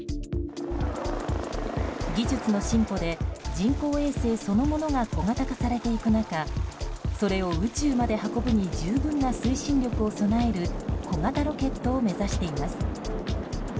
技術の進歩で人工衛星そのものが小型化されていく中それを宇宙まで運ぶに十分な推進力を備える小型ロケットを目指しています。